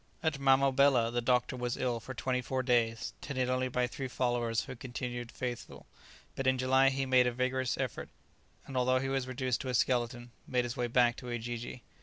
At Mamobela the doctor was ill for twenty four days, tended only by three followers who continued faithful; but in July he made a vigorous effort, and although he was reduced to a skeleton, made his way back to Ujiji.